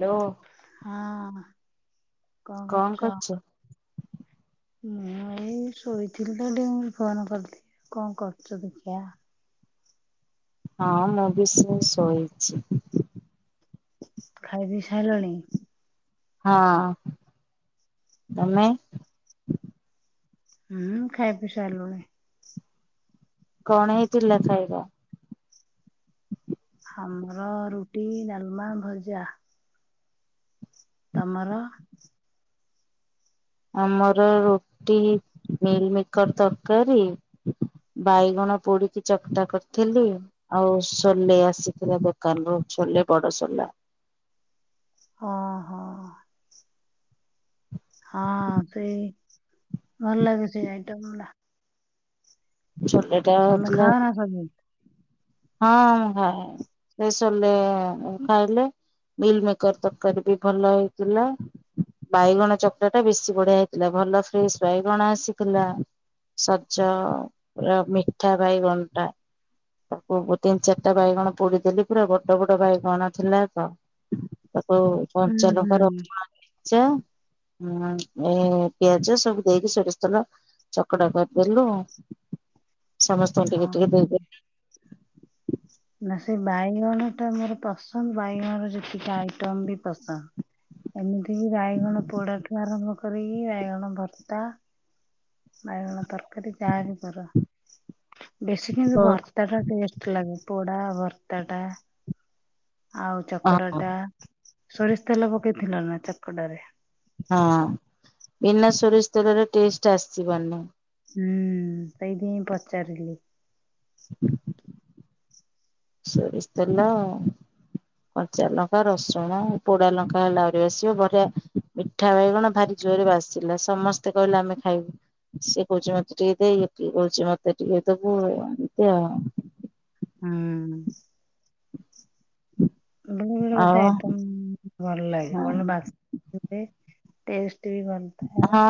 Hello. ହଁ, କଣ କରୁଛ? ମୁଁ ଏଇ ଶୋଇଥିଲି ତ, ଟିକେ ମୁଁ କଇଲି ଫୋନ କରିଦିଏ କଣ କରୁଚ, ଦେଖିଆ। ହଁ, ମୁଁ ବି ସେ ଶୋଇଛି। ଖାଇ ପି ସାଇଲଣି? ହଁ, ତମେ? ହୁଁ, ଖାଇ ପି ସାରିଲୁଣି। କଣ ହେଇଥିଲା ଖାଇବା? ଆମର ରୁଟି, ଡାଲମା, ଭଜା। ତମର? ଆମର ରୁଟି, ମିଲମିକର ତରକାରୀ ବାଇଗଣ ପୋଡିକି ଚକଟା କରିଥିଲି। ଆଉ ସୋଲେ ଆସିଥିଲା, ଦୋକାନରୁୁ ଛୋଲେ ବଡ, ସୋଲା। ହଁ, ହଁ। ହଁ ସେଇ ଭଲ ଲାଗେ ସେ ଆଇଟମ୍ ନା। ଚୋଲେପ। ତ ମେ ଖାଅ ନା ସବୁ। ହଁ ମୁଁ ଖାଏ ସେ ସୋଲେ ମୁଁ ଖାଇଲେ। ମିଲ୍ ମେକର ତରକାରୀ ବି ଭଲ ହେଇଥିଲା। ବାଇଗଣ ଚକ୍ର ଟା ବେଶୀ ବଢିଆ ହେଇଥିଲା ଭଲ ଫ୍ରେଶ ବାଇଗଣ ଆସିଥିଲା। ସଜ ମିଠା ବାଇଗଣ ଟା। ତାକୁ ଗ ତିନି ଚାରିଟା ବାଇଗଣ ପୋଡିଦେଲି ପୁରା ବଡ ବଡ ବାଇଗଣ ଥିଲା ତ। ତାକୁ ହୁଁ କଞ୍ଚ ହୁଁ ଲଙ୍କା ରସୁଣ ଛେଚା। ହୁଁ ଏ ପିଆଜ ସବୁ ଦେଇକି ସୋରିଷ ତେଲ। ଚକଟା କରିଦେଲୁ ସମସ୍ତଙ୍କୁ ହଁ। ଟିକେ ଟିକେ ଦେଇଦେ। ନା ସେ ବାଇଗଣ ଟା ମୋର ପସନ୍ଦ ବାଇଗଣର ଯେତିକି ଆଇଟମ ବି ପସନ୍ଦ। ଏମିତିକି ବାଇଗଣ ପୋଡାଠୁ ଆରମ୍ଭ କରିକି ବାଇଗଣ ଭର୍ତ୍ତା। ବାଇଗଣ ତରକାରୀ ଯାହା ବି କର ବେଶୀ କେମତି ହଁ ଭର। ଭତା ଟା ଟେଷ୍ଟ ଲାଗେ ପୋଡା ଭର୍ତ୍ତା ଟା। ଆଉ ଚକଡ ଟା ସୋରିଷ ତେଲ ପକେଇଥିଲ ନା ଚକଡା ରେ। ହଁ ବିନା ସୋରିଷ ତେଲର ଟେଷ୍ଟ ଆସିିବନି। ହୁଁ ସେଇଥି ହିଁ ପଚାରିଲି। [inaudible] ସୋରିଷ ତେଲ। କଞ୍ଚା ଲଙ୍କା ରସୁଣ ପୋଡା ଲଙ୍କା ହେଲାହୁରି ବାସିବ ବଢିଆ। ମିଠା ବାଇ ଗଣ ଭାରି ଜୋରରେ ବାସିଲା ସମସ୍ତେ କହିଲେ ଆମେ ଖାଇବୁ। ସିଏ କହୁଛି ମତେ ଟିକେ ଦେଇ ଟିକେ କହୁଛି ମତେ ଟିକେ ଦବୁ ଏମତି ଆଉ। ହୁଁ। ବେଳେ ବେଳେ ଗୋଟେ ଆଉ ଆଇଟମ୍ ଭଲ ଲାଗିବ ହଁ ଭଲ ବା। ଟେଷ୍ଟ ଟେଷ୍ଟ ବି ବନ। ହଁ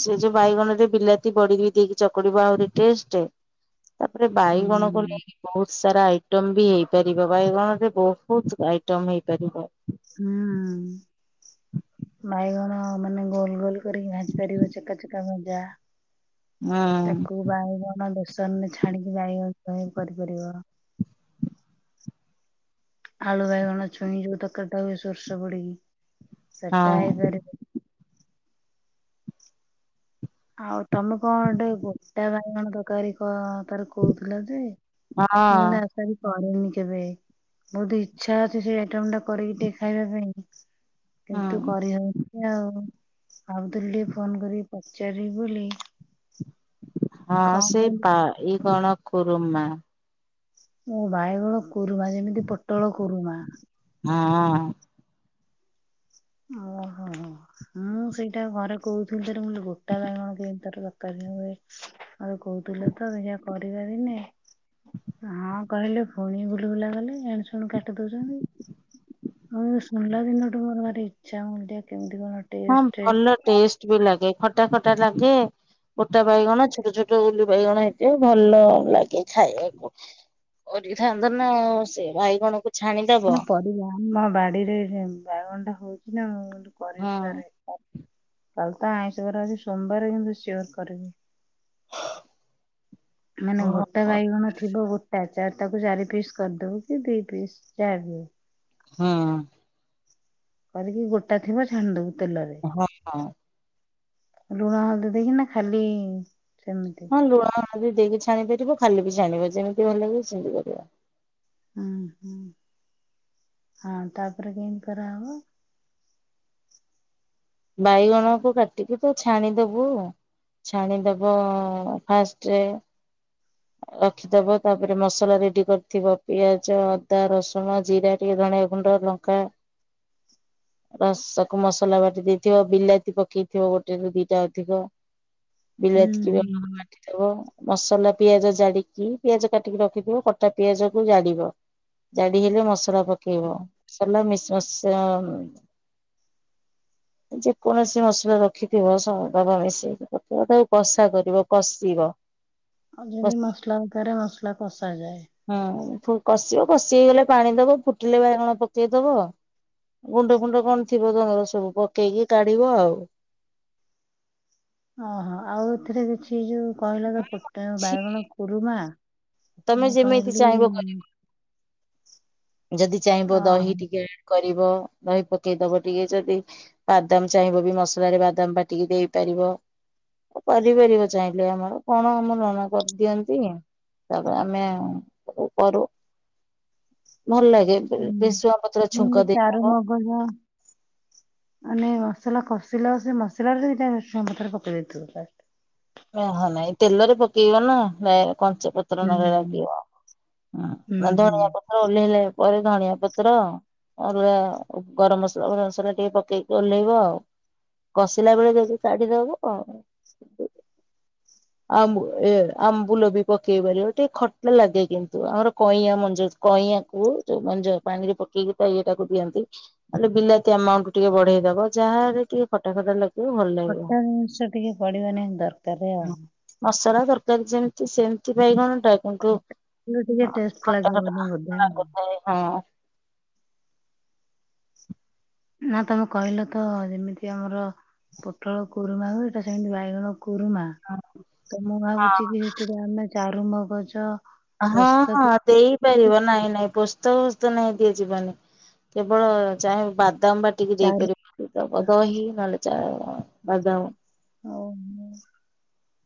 ସେ ଯୋଉ ବାଇଗଣରେ ବିଲାତି ବଢିକି ଦେଇକି ଚକଡିବ ଆହୁରି ଟେଷ୍ଟ। ତାପରେ ବାଇଗଣ ହୁଁ କଲେ। ବହୁତ ସାରା ଆଇଟମ ବି ହେଇପାରିବ ବାଇଗଣରେ ବହୁତ ଆଇଟମ ହେଇପାରିବ। ହୁଁ। ବାଇଗଣ ମାନେ ଗୋଲ ଗୋଲ କରିକି ଭାଜି ପାରିବ ଚେକା ଚେକା ଭଜା। [inaudible] ତାକୁ ବାଇଗଣ ବେସନ ରେ ଛାଣିକି ବାଇଗଣ ସହ କରିପାରିବ। ଆଳୁ ବାଇଗଣ ଛୁଇଁ ଯୋଉ ତକାରିଟା ହୁଏ ସୋରିଷ ପଡିକି ସେଟା ହଁ ହେଇପାରେ। ଆଉ ତମେ କଣ ଗୋଟେ ଗୋଟା ବାଇଗଣ ତରକାରୀ କ ତାର କହୁଥିଲ ଯେ ହଁ। ମୁଁ ନାସାରି ପଢ଼େନି କେବେ। ବହୁତ ଇଚ୍ଛା ଅଛି ସେଇ ଆଇଟମ ଟା କରିକି ଟିକେ ଖାଇବା ପାଇଁ। କିନ୍ତୁ ହୁଁ କରିହଉଛି ଆଉ ଭାବୁଥିଲି ଟିକେ ଫୋନ କରିିକ ପଚାରିବି ବୋଲି। ହଁ କଣ ସେଇ କେମିତି ବାଇଗଣ ଖୁରୁମା। ଓଁ ବାଇଗଣ କୁରୁମା ଯେମିତି ପୋଟଳ କୁରୁମା। ହଁ ହଁ। ହୁଁ ସେଇଟା ଘରେ କହୁଥିଲି ତରେ ମୁଁ ଗୋଟା ବାଇଗଣ କେମିତି ତରକାର ନ ହୁଏ। ଆଉ କହୁଥିଲେ ତ ଦେଖିଆ କରିବା ଦିନେ। ହଁ କହିଲେ ପୁଣି ଭୁଲି ଭୁଲା ଗଲେ ଏଣୁ ସେଣୁ କାଟି ଦୋଉଛନ୍ତି। ମୁଁ ଶୁଣିଲା ଦିନଠୁ ମୋର ଭାରି ଇଚ୍ଛା ହୋଉନି କେମିତି କଣ ହଁ ଟେଷ୍ଟ ଭଲ ଟେଷ୍ଟ ବି ଲାଗେ ଖଟା ଖଟା ଲାଗେ। ପୋଟା ବାଇଗଣ ଛୋଟ ଛୋଟ ଗୁଲି ବାଇଗଣ ହେଇଥିବେ ଭଲ ଲାଗେ। ଖାଇବାକୁ କରିଥାନ୍ତ ନା ଆଉ ସେ ବାଇଗଣ କୁ ଛାଣିଦବ। ମମ ବାଡିରେ ବାଇଗଣ ଟା ହୋଉଥିଲା ନା ମୁଁ ହଁ। କରିବି ଥରେ ଆ। କାଲି ତ ଆଇଁଷ ବାର ଅଛି ସୋମବାର କିନ୍ତୁ ସିଓର୍ କରିବି। ହଁ। ମାନେ ଗୋ ଟା ବାଇଗଣ ଥିବ ଗୋଟା ବାଇଗଣ ତାକୁ ଚାରି ପିସ୍ କରିଦବୁ କି ଦି ପିସ୍ ଯାହା ହୋଉ। ହଁ। କରିକି ଗୋଟା ଥିବ ଛାଣି ଦୋବୁ ତେଲରେ। ହଁ। ଲୁଣ ହଳଦୀ ଦେଇକି ନା ଖାଲି ସେମିତି? ହଁ ଲୁଣ ହଳଦୀ ଦେଇକି ଛାଣି ପାରିବ ଖାଲି ବି ଛାଣିବ ଯେମିତି ଭଲ ଲାଗିବ ସେମିତି କରିବ। ଉଁ ହୁଁ ତାପରେ କେମିତି କରାହବ? ବାଇଗଣକୁ କାଟିକି ତୁ ଛାଣି ଦୋବୁ। ଛାଣି ଦବ ଫାଷ୍ଟରେ ରଖି ଦବ ତାପରେ ମସଲା ରେଡି କରିଥିବ ପିଆଜ ଅଦା ରସୁଣ ଜିରା ଟିକେ ଧନିଆ ଗୁଣ୍ଡ ଲଙ୍କା ରସକୁ ମସଲା ବାଟି ଦେଇଥିବ ବିଲାତି ପକେଇଥିବ ଗୋଟେରୁୁ ଦିଟା ଅଧିକ। ହୁଁ ବିଲାତି କି ବାଇଗଣ ହୁଁ। କାଟି ଥିବ ମସଲା ପିଆଜ ଜାଡିକି ପିଆଜ କାଟିକି ରଖିଥିବ କଟା ପିଆଜ କୁ ଜାଡିବ। ଜାଡି ହେଲେ ମସଲା ପକେଇବ ହେଇ ସାରିଲା ମିସ୍‌ ମାସ୍‌ ଯେକୌଣସି ମସଲା ରଖିଥିବ ସ ତାକୁ ମିଶେଇକି ତାକୁ କଷା କରିବ କଷିବ। ଆଉ ଯେମିତି ମସଲା ଆକାରରେ ମସଲା କଷା ଯାଏ। ହୁଁ କଷିବ କଷି ହେଇଗଲେ ପାଣି ଦବ ଫୁଟିଲେ ବାଇଗଣ ପକେଇଦବ ଗୁଣ୍ଡ ଫୁଣ୍ଡ କଣ ଥିବ ତମର ସବୁ ପକେଇକି କାଢିବ ଆଉ। ଓହୋ ଆଉ ଏଥିରେ କିଛି ଯୋଉ କହିଲ ତ ପୋଟା ଛି ବାଇଗଣ କୁରୁମା। ତମେ ମୁଁ ଯେମିତି କହିଲି ଚାହିଁବ ଯଦି ଚାହିଁବ ଦହି ଅହ ଟିକେ କରିବ ଦହି ପକେଇଦବ ଟିକେ ଯଦି ବାଦାମ ଚାହିଁବ ବି ମସଲାରେ ବାଦାମ ପାଟିକି ଦେଇ ପାରିବ। କରିପାରିବ ଚାହିଁଲେ ଆମର କଣ ଆମ ନଣ କରିଦିଅନ୍ତି। ତାପରେ ଆମେ ସବୁ କରୁ। ଭଲ ଲାଗେ ବେସୁଙ୍ଗା ପତ୍ର ଛୁଙ୍କ ଦେଇଦବ। ବନିଃ ମାନେ ମସଲା କଷିଲା ସେ ମସଲା ରେ ଟିକେ ଭେସୁଙ୍ଗା ପତର ପକେଇ ଦେଇଥିବୁ। ଓହୋ ନାଇଁ ତେଲରେ ପକେଇବ ନା କଞ୍ଚା ପ ତ୍ର ହୁଁ ନ ହୁଁ ଲାଗିବ ହୁଁ। ଧଣିଆ ପତ୍ର ଓଲେଇଲା ପରେ ଧଣିଆ ପତ୍ର ଅରୁଗଆ ଗରମ ମସଲା ଗ ମସଲା ଟିକେ ପକେଇକି ଓହ୍ଲେଇବ ଆଉ। କଷିଲା ବେଳେ ଜଦି କାଢିଦବ। ଆମ୍ବ ଏ ଆମ୍ବୁଲ ବି ପକେଇ ପାରିବ ଟିକେ ଖଟା ଲାଗେ କିନ୍ତୁ ଆମର କଇଁଆ ମଞ୍ଜି କଇଁଆକୁ ଯୋଉ ମଞ୍ଜ ପାଣି ରେ ପକେଇକି ତା ଇଏଟାକୁ ଦିଅନ୍ତି। ହେଲେ ବିଲାତି ଆମାଉଣ୍ଟ ଟିକେ ବଢେଇ ଦବ ଯାହାରରେ ଟିକେ ଖଟା ଖଟା ଲାଗ ଖଟା ଜିନିଷ ଟିକେ ପଡିବା ନିହାତି ଦରକାର ଆଉ। ମସରା ତରକାରୀ ଯେମିତି ସେମିତି ବାଇଗଣ ଟା କିନ୍ତୁ ହେଲେ ଟିକେ ହଁ ଟେଷ୍ଟ ଖଟା ଲାଗିବନି ବୋଧେ। ଖଟା ଲାଗୁଥାଏ ହଁ। ନା ତମେ କହିଲ ତ ଯେମିତି ଆମର। ପୋଟଳ କୁରୁମା ହୁଏ ତ ସେମିତି ବାଇଗଣ କୁରୁମା। ତ ମୁଁ ଭାବୁଛି ହଁ କି ସେଥିରେ ଆମେ ଚାରୁମଗଜ। ହଁ ହଁ ଦେଇ। ପାରିବ ନାଇଁ ନାଇଁ ପୋସ୍ତ ଫୋସ୍ତ ନାଇଁ ଦିଆ ଯିବନି କେବଳ ଚା ବାଦାମ ବା ବାଟିକୀ ଚାରୁ ଦେଇପାରିବ ଦବ ଦହି ନହେଲେ ଚା, ବାଦାମ। ଓହୋ।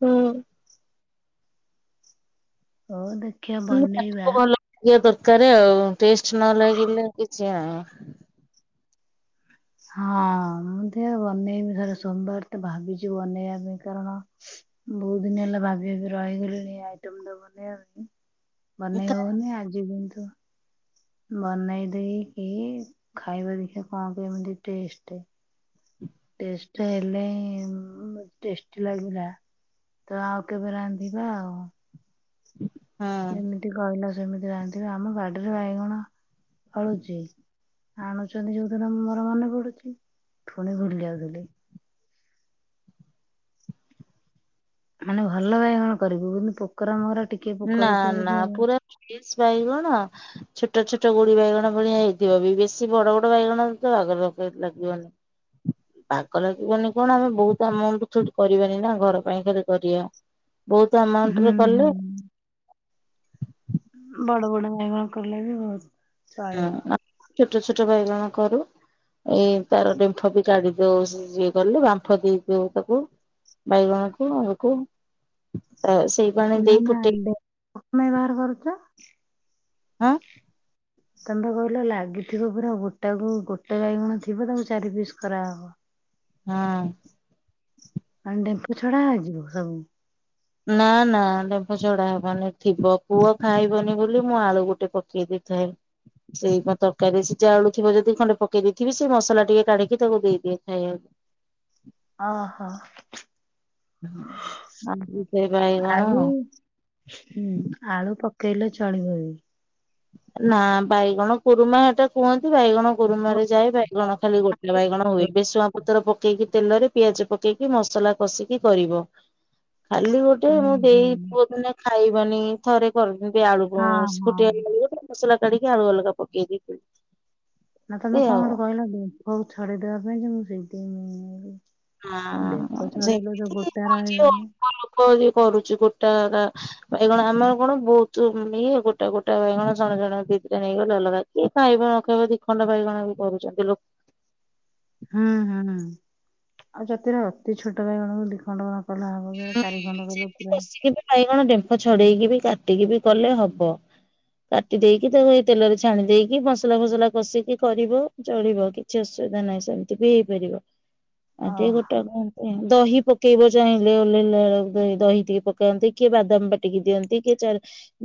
ହୁଁ। ହଉ ଦେ ଖାଲି ପାଟିକୁ ଭଲ ଲାଗିବା ଦରକାର ଆଉ ଟେଷ୍ଟ ନ ଲାଗିଲେ କିଛି ଆ ହଁ ମୁଁ ଥେୟା ବନେଇବି [unintelligible] ସୋମବାର ତ ଭାବିଛି ବନେଇବା ପାଇଁ କାରଣ। ବହୁତ ଦିନି ହେଲା ଭାବି ଭାବି ରହିଗଲିଣି ଆଇଟମ ଟା ବନେଆ ପାଇଁ। ବନେଇ ହଉନି ଆଜି କିନ୍ତୁ। ବନେଇ ଦେଇକି ଖାଇବା ଦେଖିବା କଣ କେମିତି ଟେଷ୍ଟ। ଟେଷ୍ଟ ହେଲେ ହିଁ ଉଁ ଟେଷ୍ଟି ଲାଗିଲା। ତ ଆଉ କେବେ ରାନ୍ଧିବା ଆଉ। ହଁ ଯେମିତି କହିଲ ସେମିତି ରାନ୍ଧିବା ଆମ ବାଡିରେ ବାଇଗଣ ଫଳୁଛି। ଆଣୁଛନ୍ତି ଯୋଉଦିନ ମୋର ମନେ ପଡୁଛି ଫୁଣି ଭୁଲି ଯାଉଥିଲି। ମାନେ ଭଲ ବାଇଗଣ କରିବୁ କିନ୍ତୁ ପୋକରା ମୋକରା ଟିକେ ପୋକ ହେଇଥିବ ଯଦି ଚିଲିଜ ବାଇଗଣ। ଛୋଟ ଛୋଟ ଗୁଡି ବାଇଗଣ ଭଳିଆ ହେଇଥିବ ବି ବେଶୀ ବଡ ବଡ ବାଇଗଣ ତ ବାଗ ଲଗେଇ ଲାଗିବନି। [inaudible] ବାଗ ଲାଗିବନି କଣ ଆମେ ବହୁତ ଆମାଉଣ୍ଟ ଥୋଡି କରିବାନି ନା ଘର ପାଇଁ ଖାଲି କରିବା। ବହୁତ ଆମାଉଣ୍ଟରେ କଲୁ। ହୁଁ। ବଡ ବଡ ନେହୁଆ କଲେ ବି [unintelligible] ଚଳିବ ହୁଁ ଛୋଟ ଛୋଟ ବାଇଗଣ କରୁ। ଏଇ ତାର ଡେମ୍ଫ ବି କାଢି ଦଉ ସିଝେଇ କଲେ ବାମ୍ଫ ଦେଇଦଉ ତାକୁ। ବାଇଗଣକୁ ଆକୁ ପ୍ରାୟ ସେ ନା ନା ଡେ ବ୍ୟବହାର କରୁଛ? ହଁ। ତମେ ବା କହିଲ ଲାଗିଥିବ ପୁରା ଗୋଟା କୁ ଗୋଟା ବାଇଗଣ ଥିବ ତାକୁ ଚାରି ପିସ୍ କରାହବ। ହୁଁ। ଆଉ ଡେମ୍ପ ଛଡା ହେଇଯିବ ସବୁ। ନା ନା ଡେମ୍ଫ ଛଡା ହବନି ଥିବ ପୁଅ ଖାଇବନି ବୋଲି ମୁଁ ଆଳୁ ଗୋଟେ ପକେଇ ଦେଇଥାଏ। ସେଇ ମ ତରକାରୀ ସିଝା ଆଳୁ ଥିବ ଯଦି ଖଣ୍ଡେ ପକେଇ ଦେଇଥିବି ସେ ମସଲା ଟିକେ କାଢିକି ତାକୁ ଦେଇଦିଏ ଖାଇବାକୁ। ଅ ହଁ। ହୁଁ [unintelligible] ବାଇଗଣ। ଆଳୁ ହୁଁ ଆଳୁ ପକେଇଲେ ଚଳିବ ବି। ନା ବାଇଗଣ କୁରୁମା ଏଟା କୁହନ୍ତି ବାଇଗଣ। କୁରୁମାରେ ଯାଏ ବାଇଗଣ ଖାଲି ଗୋଟା ବାଇଗଣ ହୁଏ ବେସୁଆଁ ପ ପତର ପକେଇକି ତେଲରେ ପିଆଜ ପକେଇକି ମସଲା କଷିକି କରିବ ଖାଲି ଗୋ ଟେ ହୁଁ ମୁଁ ହୁଁ ଦେଇ ପୁଅ ଥିନେ ଖାଇବନି ଥରେ କରିଦେବି ଆଳୁକୁ ହଁ ସ ହଁ ଫୁଟି [unintelligible] ମସଲା କାଢିକି ଆଳୁ ଅଲଗା ପକେଇ ଦେବି। ନା ତମେ କଣ ଗୋଟେ କହିଲ ଡ଼େମ୍ପକୁ ଛଡେଇ ଦବା ପାଇଁ କି ମୁଁ ସେମିତି। ତେମ୍ପ ହଁ ଛଡେଇବ ତ ଗୋଟା ରହିବିନି। କରି କରୁଛି ଗୋଟା ଟା। ବାଇଗଣ ଆମର କଣ ବହୁତୁ ଉଁ ଇଏ ଗୋଟା ଗୋଟା ବାଇଗଣ ଜଣେ ଜଣେ ଦି ଦିଟା ନେଇଗଲେ ଅଲଗା। କିଏ ଖାଇବ ନ ଖାଇବ ଦି ଖଣ୍ଡ ବାଇଗଣ ବି କରୁଛନ୍ତି ଲୋ ହୁଁ, ହୁଁ, ହୁଁ। [unintelligible] ତୋଲା ହେବ ବୋଲେ, ଚାରି ଖଣ୍ଡ ବଇଲେ ପୁରା। କଷିକି ବି ବାଇଗଣ ଡେମ୍ଫ ଛଡେଇକି, ବି କାଟିକି ବି କଲେ ହବ। କାଟି ଦେଇକି, ତାକୁ ଏଇ ତେଲରେ ଛାଣି ଦେଇକି, ମସଲା ଫସଲା କଷିକି କରିବ। ଚଳିବ, କିଛି ଅସୁବିଧା ନାହିଁ। ସେମିତି ବି ହେଇପାରିବ। ଆଗେ ଗୋଟା ଓହୋ କ [unintelligible] ଦହି ପକେଇବ ଯାଇଁ। ଟିକେ ଓହ୍ଲେଇଲା ବେଳକୁ, ଦହି ଟିକେ ପକାନ୍ତି, କିଏ ବାଦାମ ବାଟିକି ଦିଅନ୍ତି, କିଏ ଚା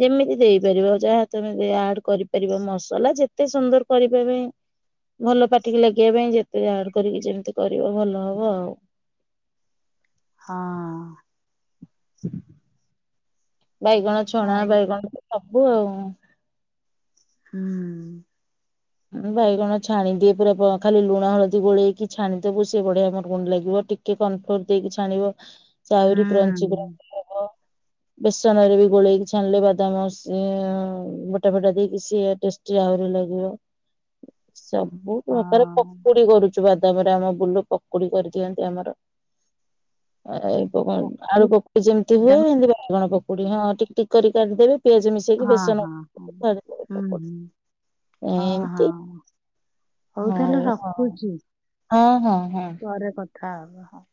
ଯେମିତି ଦେଇପାରିବ, ଯାହା ତମେ ଆଡ କରିପାରିବ, ମସଲା ଯେତେ ସୁନ୍ଦର କରିବା ପାଇଁ। ଭଲ ପାଟିକୁ ଲାଗିବା ପାଇଁ, ଯେତେ ଆଡ଼ କରିକି, ଯେମିତି କରିବ, ଭଲ ହବ ଆଉ। ହଁ-ଅ-ଅ। ବାଇଗଣ ଛଣା, ଆଳୁ ବାଇଗଣ ସବୁ ଆଉ। ହୁଁ। ମୁଁ ବାଇଗଣ ଛାଣିଦିଏ ପୁରା ଖା ଲୁଣ ହଳଦୀ ଗୋଳେଇକି ଛାଣିଦବୁ ସେ ବଢ଼ିଆ ମୁଡ଼ ମୁଡ଼ ଲାଗିବ ଟି ଟେ କନଫୋର ଦେଇକି ଛାଣିବ ସେ ହୁଁ ଆହୁରି କ୍ରଞ୍ଚ [unintelligible] ବେସନ ରେ ବି ଗୋଳେଇକି ଛାଣିଲେ ବାଦାମ ସିଏ ବୋଟା ଫଟା ଦେଇକି ସିଏ ଟେସ ସ୍ଟି ଆହୁରି ଲାଗିବ ସବୁ ପ୍ରକାର ହଁ ପକୁଡ଼ି କରୁ ବାଦାମରେ ଆମ ବୁଲୁ ପକୁଡ଼ି କରିଦିଅନ୍ତି ଆମର ଏ ଆଳୁ ପକୁ ପକୁଡ଼ି ଯେମିତି ହୁଏ ଦମ୍- ଏମିତି ବାଇଗଣ ପକୁଡ଼ି ହଁ ଠିକ ଠିକ କରିକି କାଟିଦେବେ ପିଆଜ ମିଶେଇକି ହଁ ବେସନ ହଁ ହଁ ହୁଁ ହୁଁ ହଁ ହଁ। ଏମତି ହଉ ତାହେଲେ ରଖୁଛି ହଁ ହଁ ହଁ। ପରେ କଥା ହବ।